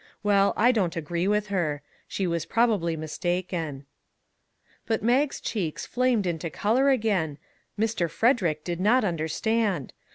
Well, I don't 94 "A CRUMB OF COMFORT" agree with her. She was probably mis taken." But Mag's cheeks flamed into color again, Mr. Frederick did not understand.